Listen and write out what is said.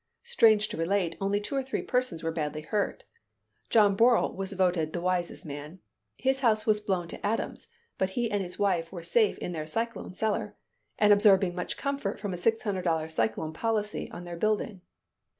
Strange to relate, only two or three persons were badly hurt. John Bourrell was voted the wisest man. His house was blown to atoms; but he and his wife were safe in their "cyclone cellar," and absorbing much comfort from a $600 cyclone policy on their building.